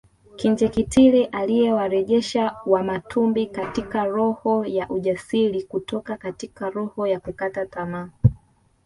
Kinjekitile aliyewarejesha Wamatumbi katika roho ya ujasiri kutoka katika roho ya kukata tamaa